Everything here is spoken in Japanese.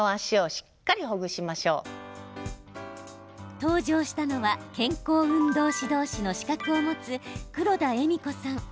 登場したのは健康運動指導士の資格を持つ黒田恵美子さん。